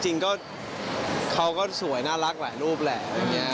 จริงเขาก็สวยน่ารักหลายรูปแหละ